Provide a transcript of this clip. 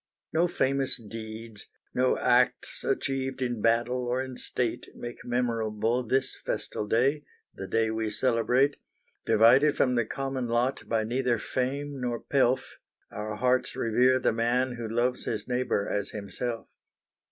No famous deeds, no acts achieved In battle or in state Make memorable this festal day, The day we celebrate: Divided from the common lot By neither fame nor pelf, Our hearts revere the man who loves His neighbour as himself.